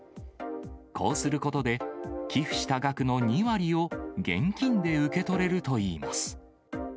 こうすることで、寄付した額の２割を現金で受け取れるといいます。